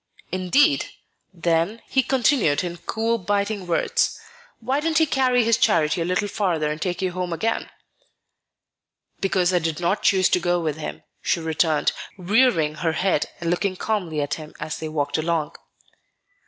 "Indeed! Then," he continued in cool, biting words, "why didn't he carry his charity a little farther and take you home again?" "Because I did not choose to go with him," she returned, rearing her head and looking calmly at him as they walked along.